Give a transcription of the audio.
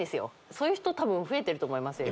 そういう人多分増えてると思いますよ